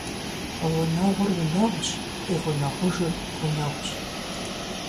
Гъунэгъур унэгъущ, къигъунэгъужыр гъунэгъущ.